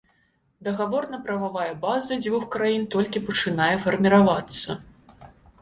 Дагаворна-прававая база дзвюх краін толькі пачынае фарміравацца.